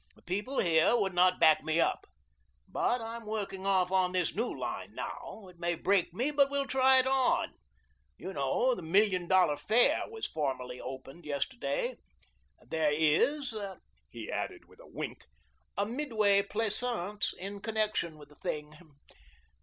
The people here would not back me up. But I'm working off on this new line now. It may break me, but we'll try it on. You know the 'Million Dollar Fair' was formally opened yesterday. There is," he added with a wink, "a Midway Pleasance in connection with the thing.